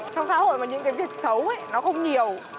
trong xã hội những cái việc xấu nó không nhiều